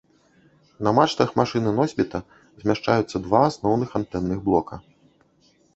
На мачтах машыны-носьбіта змяшчаюцца два асноўных антэнных блока.